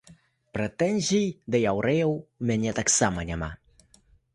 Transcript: Прэтэнзій да яўрэяў у мяне таксама няма.